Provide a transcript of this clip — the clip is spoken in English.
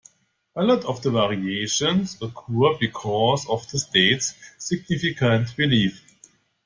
A lot of variations occur because of the state's significant relief.